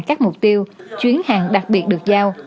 các mục tiêu chuyến hàng đặc biệt được giao